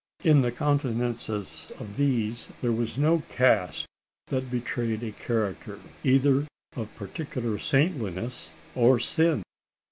In the countenances of these there was no cast that betrayed a character, either of particular saintliness or sin.